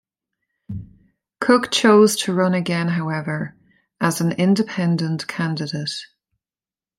Cook chose to run again however, as an independent candidate.